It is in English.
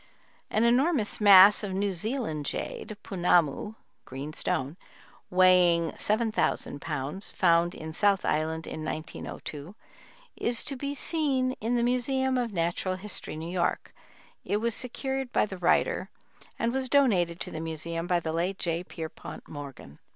An enormous mass of New Zealand jade (punamu, "green stone") weighing 7000 pounds, found in South Island in 1902, is to be seen in the Museum of Natural History, New York; it was secured by the writer and was donated to the Museum by the late J. Pierpont Morgan.